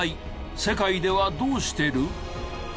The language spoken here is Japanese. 世界ではどうしてる？